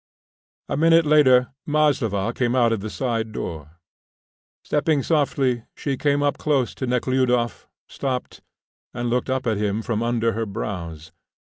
A minute later Maslova came out of the side door. Stepping softly, she came up close to Nekhludoff, stopped, and looked up at him from under her brows.